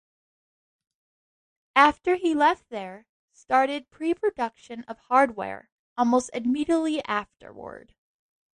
After he left there, started pre-production of "Hardware" almost immediately afterward.